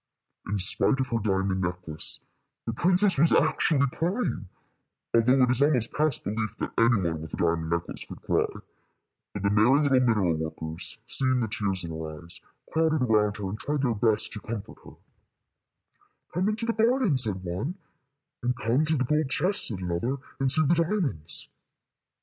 In spite of her diamond necklace, the princess was actually crying, although it is almost past belief that any one with a diamond necklace could cry; but the merry little mineral workers, seeing the tears in her eyes, crowded around her, and tried their best to comfort her. "Come into the garden," said one; and "Come to the gold chests," said another, "and see the diamonds."